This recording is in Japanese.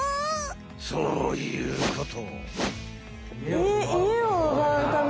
そういうこと！